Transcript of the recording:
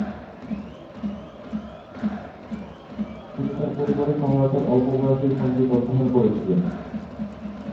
তিনি তার পরিবারের সহায়তায় অল্প বয়সেই সংগীত অধ্যয়ন করেছিলেন।